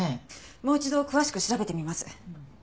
もう一度詳しく調べてみます。